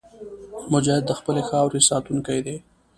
مجاهد د خپلې خاورې ساتونکی دی.